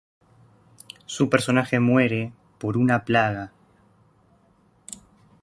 Su personaje muere por una plaga.